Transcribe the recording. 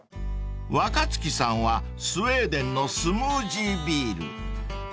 ［若槻さんはスウェーデンのスムージービール］